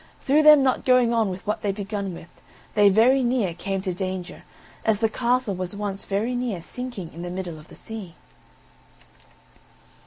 through them not going on with what they begun with, they very near came to danger, as the castle was once very near sinking in the middle of the sea.